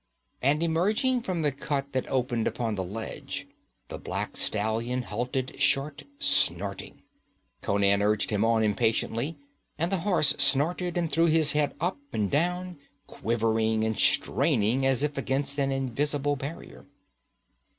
And emerging from the cut that opened upon the ledge, the black stallion halted short, snorting. Conan urged him on impatiently, and the horse snorted and threw his head up and down, quivering and straining as if against an invisible barrier.